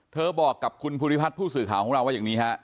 บอกกับคุณภูริพัฒน์ผู้สื่อข่าวของเราว่าอย่างนี้ฮะ